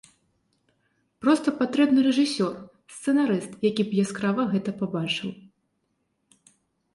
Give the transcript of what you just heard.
Проста патрэбны рэжысёр, сцэнарыст які б яскрава гэта пабачыў.